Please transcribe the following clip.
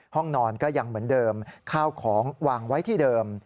ห้องนอนก็ยังเหมือนเดิมข้าวของวางไว้ที่เดิม